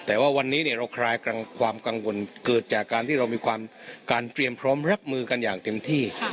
แต่ว่าวันนี้เราคลายความกังวลเกิดจากการที่เรามีการเตรียมพร้อมรับมือกันอย่างเต็มที่